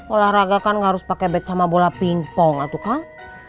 olahraga kan gak harus pake bet sama bola pingpong atuh kang